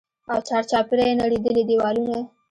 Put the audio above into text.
او چارچاپېره يې نړېدلي دېوالونه.